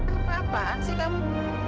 apa apaan sih kamu